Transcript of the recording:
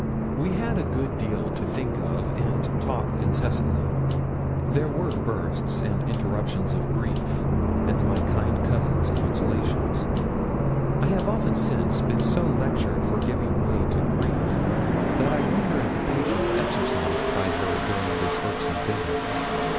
We had a good deal to think of, and talked incessantly. There were bursts and interruptions of grief, and my kind cousin's consolations. I have often since been so lectured for giving way to grief, that I wonder at the patience exercised by her during this irksome visit.